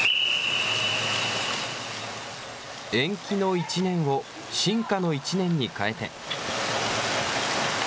延期の１年を進化の１年に変えて。